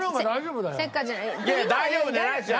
いやいや大丈夫じゃないですよ。